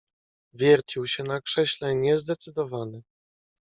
"Wiercił się na krześle niezdecydowany."